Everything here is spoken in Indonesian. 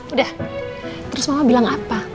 udah terus mama bilang apa